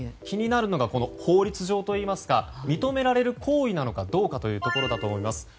気になるのが法律上といいますか認められる行為なのかどうかだと思います。